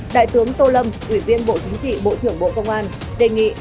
đại tướng tô lâm ủy viên bộ chính trị bộ trưởng bộ công an đề nghị